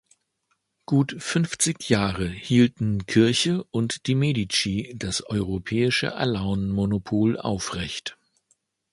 Gut fünfzig Jahre hielten Kirche und die Medici das europäische Alaun-Monopol aufrecht.